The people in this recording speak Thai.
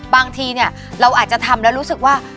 บางทีเนี่ยเราอาจจะทำแล้วรู้สึกว่า